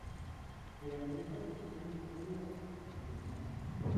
Durante estas elecciones hubo varias irregularidades.